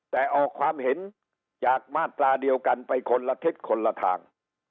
แต่ออกความเห็นจากมาตราเดียวกันไปคนละทิศคนละทาง